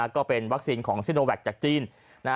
ก็เป็นวัคซีนของซิโนแวคจากจีน